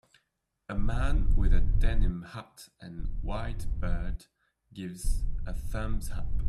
A man with a denim hat and white beard gives a thumbs up